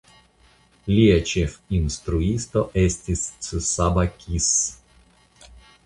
Lia ĉefinstruisto estis Csaba Kiss.